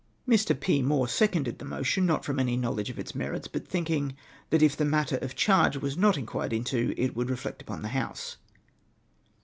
Mr. p. Moore seconded the motion, not from any know ledge of its merits, but thinking that if the matter of charge was not inquired into it would reflect upon the House.